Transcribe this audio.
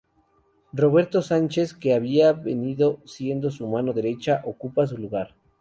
Roberto Sánchez, que había venido siendo su mano derecha, ocupa su lugar.